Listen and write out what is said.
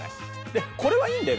でこれはいいんだよ